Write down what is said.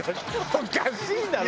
おかしいだろ。